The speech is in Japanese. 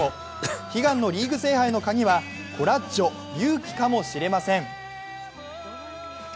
悲願のリーグ制覇へのカギはコラッジョ・勇気かもしれません。